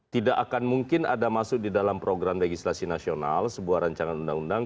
tidak akan mungkin ada masuk di dalam program legislasi nasional sebuah rancangan undang undang